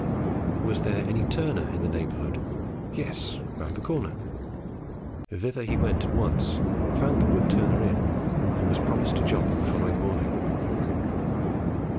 Was there any turner in the neighbourhood? Yes, round the corner. Thither he went at once, found the wood turner in, and was promised a job on the following morning.